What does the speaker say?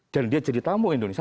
dan dia jadi tamu indonesia